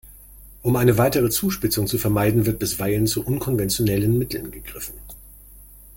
Um eine weitere Zuspitzung zu vermeiden, wird bisweilen zu unkonventionellen Mitteln gegriffen.